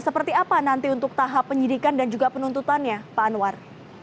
seperti apa nanti untuk tahap penyidikan dan juga penuntutannya pak anwar